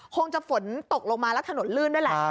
คงจะฝนตกลงมาแล้วถนนลื่นด้วยแหละ